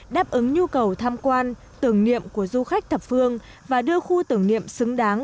đáp ứng nhu cầu tham quan tưởng niệm của du khách thập phương và đưa khu tưởng niệm xứng đáng